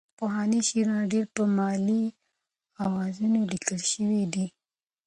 پخواني شعرونه ډېری په ملي اوزانو لیکل شوي دي.